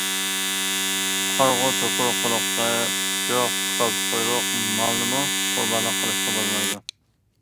قارىغۇ، توكۇر، قۇلىقى پۇچۇق، كالتە قۇيرۇق مالنىمۇ قۇربانلىق قىلىشقا بولمايدۇ.